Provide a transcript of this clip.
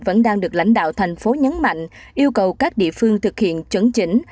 vẫn đang được lãnh đạo thành phố nhấn mạnh yêu cầu các địa phương thực hiện chấn chỉnh